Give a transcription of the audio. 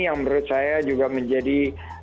yang menurut saya juga menjadi